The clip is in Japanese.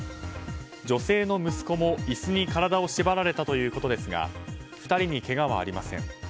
女性の息子も、椅子に体を縛られたということですが２人にけがはありません。